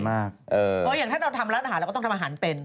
เพราะอย่างถ้าเราทำร้านอาหารเราก็ต้องทำอาหารเป็น